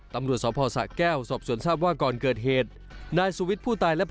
ตำรวจสมภาษาแก้วสอบสวนทราบว่าก่อนเกิดเหตุ